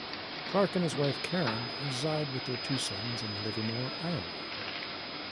Clark and his wife, Karen, reside with their two sons in Livermore, Iowa.